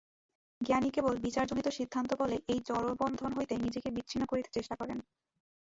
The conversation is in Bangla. জ্ঞানী কেবল বিচারজনিত সিদ্ধান্তবলে এই জড়বন্ধন হইতে নিজেকে বিচ্ছিন্ন করিতে চেষ্টা করেন।